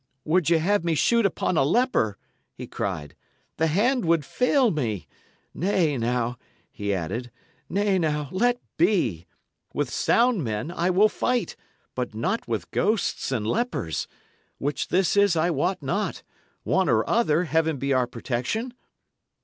"Would ye have me shoot upon a leper?" he cried. "The hand would fail me. Nay, now," he added "nay, now, let be! With sound men I will fight, but not with ghosts and lepers. Which this is, I wot not. One or other, Heaven be our protection!"